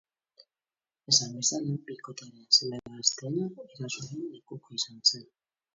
Esan bezala, bikotearen seme gazteena erasoaren lekuko izan zen.